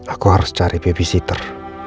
aku harus cari babysitter